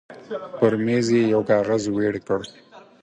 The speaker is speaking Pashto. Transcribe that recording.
پر مېز يې يو کاغذ وېړ کړ.